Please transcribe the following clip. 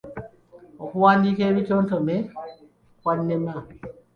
Okuwandiika ebitontome kwannema.